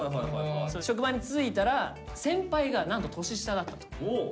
職場についたら先輩がなんと年下だったと。